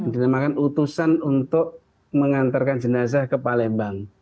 dinamakan utusan untuk mengantarkan jenazah ke palembang